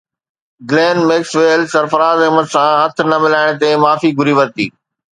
گلين Maxwell Sarfaraz Ahmed سان هٿ نه ملائڻ تي معافي گهري ورتي